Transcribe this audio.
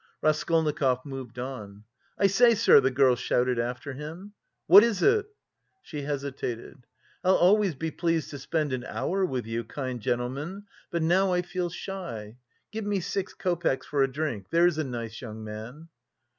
Raskolnikov moved on. "I say, sir," the girl shouted after him. "What is it?" She hesitated. "I'll always be pleased to spend an hour with you, kind gentleman, but now I feel shy. Give me six copecks for a drink, there's a nice young man!"